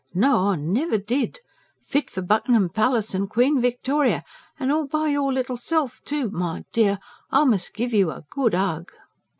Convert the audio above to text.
No, I never did! Fit for Buckin'am Palace and Queen Victoria! And all by your little self, too. My dear, I must give you a good 'UG!"